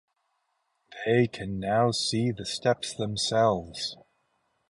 They can now see the steps themselves.